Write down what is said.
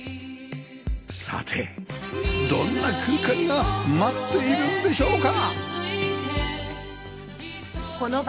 さてどんな空間が待っているんでしょうか？